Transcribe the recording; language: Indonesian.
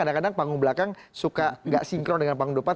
kadang kadang panggung belakang suka gak sinkron dengan panggung depan